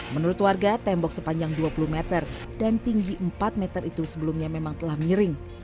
menurut warga tembok sepanjang dua puluh meter dan tinggi empat meter itu sebelumnya memang telah miring